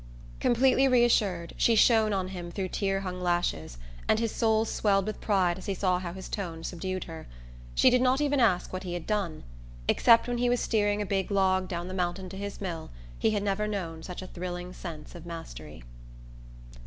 Completely reassured, she shone on him through tear hung lashes, and his soul swelled with pride as he saw how his tone subdued her. She did not even ask what he had done. Except when he was steering a big log down the mountain to his mill he had never known such a thrilling sense of mastery.